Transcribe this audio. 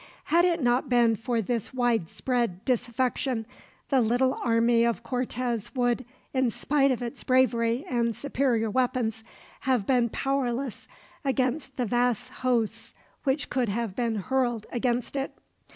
Had it not been for this widespread disaffection, the little army of Cortez would, in spite of its bravery and superior weapons, have been powerless against the vast hosts which could have been hurled against it.